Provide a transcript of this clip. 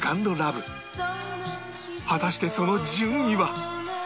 果たしてその順位は？